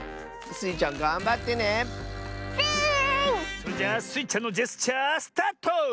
それじゃあスイちゃんのジェスチャースタート！